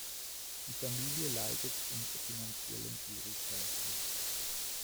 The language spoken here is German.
Die Familie leidet unter finanziellen Schwierigkeiten.